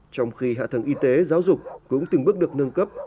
trong khi hạ tầng y tế giáo dục cũng từng bước được nâng cấp